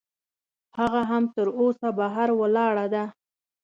هغه هم تراوسه بهر ولاړه ده.